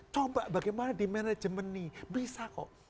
coba bagaimana di manajemen ini bisa kok